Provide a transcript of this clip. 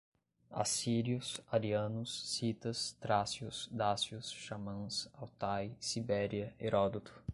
assírios, arianos, citas, trácios, dácios, xamãs, Altai, Sibéria, Heródoto